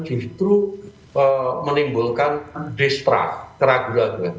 itu menimbulkan distrust keraguan